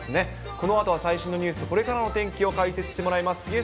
このあとは最新のニュースとこれからの天気を解説してもらいます。